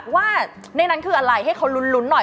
ว่าในนั้นคืออะไรให้เขาลุ้นหน่อย